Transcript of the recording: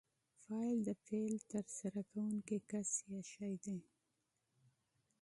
فاعل د فعل ترسره کوونکی کس یا شی دئ.